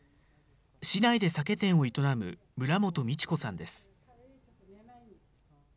市内で酒店を営む村元美智子さんです。